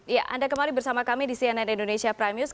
ya anda kembali bersama kami di cnn indonesia prime news